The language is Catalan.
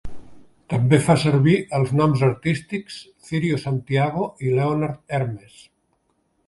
També fa servir els noms artístics: Cirio Santiago i Leonard Hermes.